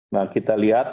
nah kita lihat